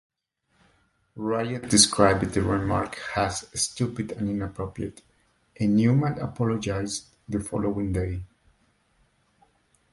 Wriedt described the remark as "stupid and inappropriate", and Newman apologised the following day.